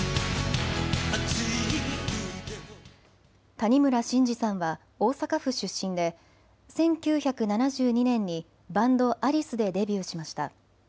谷村新司さんは大阪府出身で１９７２年にバンド、アリスでデビューしました。